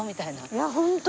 いや本当。